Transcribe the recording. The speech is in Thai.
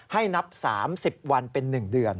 นับ๓๐วันเป็น๑เดือน